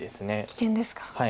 危険ですか。